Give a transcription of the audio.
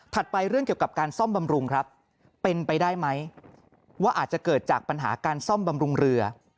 ไปเรื่องเกี่ยวกับการซ่อมบำรุงครับเป็นไปได้ไหมว่าอาจจะเกิดจากปัญหาการซ่อมบำรุงเรือ